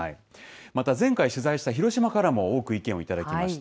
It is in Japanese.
また前回取材した広島からも多く意見を頂きました。